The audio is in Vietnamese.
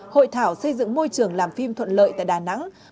hội thảo xây dựng môi trường làm phim thuận lợi tại đà nẵng